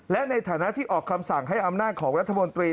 และในฐานะที่ออกคำสั่งให้อำนาจของรัฐมนตรี